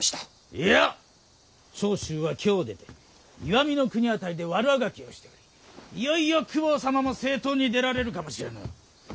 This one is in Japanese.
いや長州は京を出て石見国辺りで悪あがきをしておりいよいよ公方様も征討に出られるかもしれぬ。